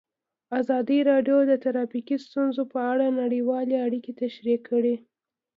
ازادي راډیو د ټرافیکي ستونزې په اړه نړیوالې اړیکې تشریح کړي.